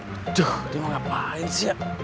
aduh dia mau ngapain sih ya